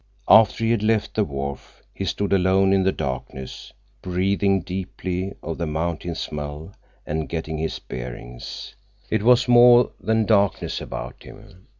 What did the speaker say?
After he had left the wharf, he stood alone in the darkness, breathing deeply of the mountain smell and getting his bearings. It was more than darkness about him.